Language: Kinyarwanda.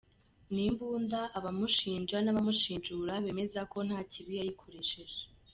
Ni imbunda baba abamushinja n’abamushinjura bemeza ko nta kibi yayikoresheje.